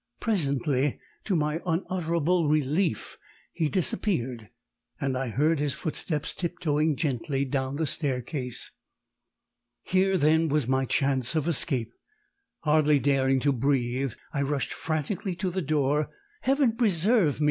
Presently, to my unutterable relief, he disappeared, and I heard his footsteps tiptoeing gently down the staircase. Here then was my chance of escape! Hardly daring to breathe, I rushed frantically to the door (Heaven preserve me!